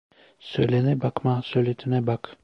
Söyleyene bakma, söyletene bak.